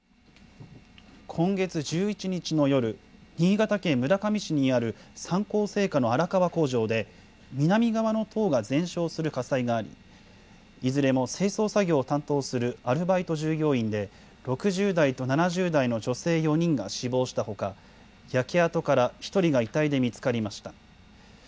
今月１１日の夜、新潟県村上市にある三幸製菓の荒川工場で、南側の棟が全焼する火災があり、いずれも清掃作業を担当するアルバイト従業員で、６０代と７０代の女性４人が死亡したほか、焼け跡から１人が遺体で見つかりました。